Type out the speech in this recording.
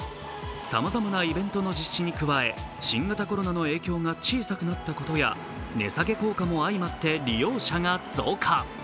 さまざまなイベントの実施に加え新型コロナの影響が小さくなったことや値下げ効果も相まって利用者が増加。